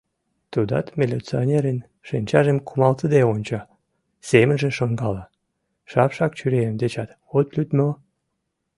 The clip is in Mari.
Тудат милиционерын шинчажым кумалтыде онча, семынже шонкала: «Шапшак чурием дечат от лӱд мо?..